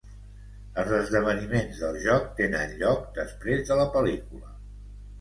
Els esdeveniments del joc tenen lloc després de la pel·lícula.